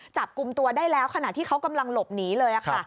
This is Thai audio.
จับกลุ่มตัวได้แล้วขณะที่เขากำลังหลบหนีเลยค่ะ